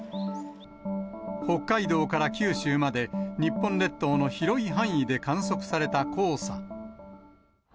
北海道から九州まで、日本列島の広い範囲で観測された黄砂。